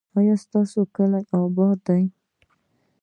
ایا ستاسو کلی اباد دی؟